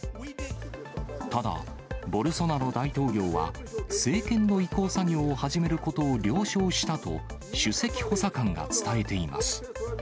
ただ、ボルソナロ大統領は政権の移行作業を始めることを了承したと、首席補佐官が伝えています。